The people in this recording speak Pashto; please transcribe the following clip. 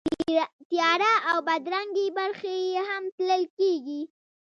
تیاره او بدرنګې برخې یې هم تلل کېږي.